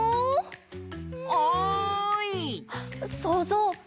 そうぞう